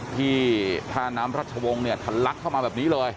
ที่ท่าน้ำรัชวงศ์เนี่ยทันลักเข้ามาแบบนี้เลย